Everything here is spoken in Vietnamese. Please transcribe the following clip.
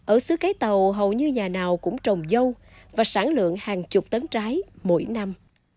ở xứ cái tàu hầu như nhà nào cũng trồng dâu và sản lượng hàng chục tấn trái mỗi năm